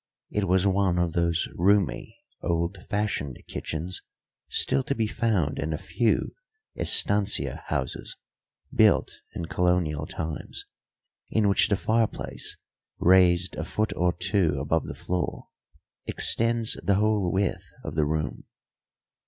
It was one of those roomy, old fashioned kitchens still to be found in a few estancia houses built in colonial times, in which the fireplace, raised a foot or two above the floor, extends the whole width of the room.